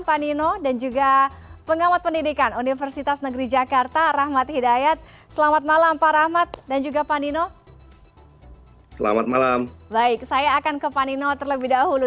baik saya akan ke panino terlebih dahulu